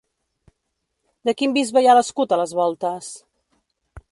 De quin bisbe hi ha l'escut a les voltes?